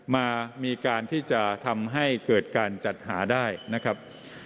มามีการที่จะทำให้เกิดการจัดหาได้นะครับ